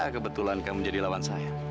kebetulan kamu menjadi lawan saya